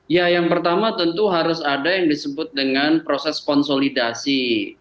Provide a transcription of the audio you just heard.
ya yang pertama tentu harus ada yang disebut dengan proses konsolidasi